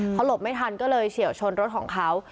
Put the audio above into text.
เขาหลบไม่ทันก็เลยเฉียวชนรถของเขา